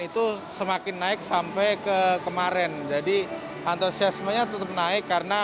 itu semakin naik sampai ke kemarin jadi antusiasmenya tetap naik karena